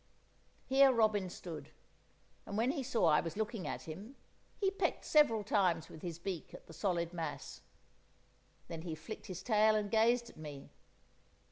Here robin stood, and when he saw I was looking at him, he pecked several times with his beak at the solid mass. Then he flicked his tail and gazed at me.